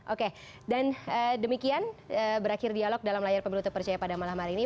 oke dan demikian berakhir dialog dalam layar pemilu terpercaya pada malam hari ini